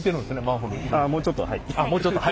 もうちょっと。